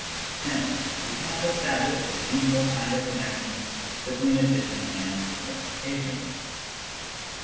Hence we cannot establish the usual kind of connection between addition and multiplication.